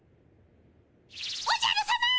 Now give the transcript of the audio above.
おじゃるさま！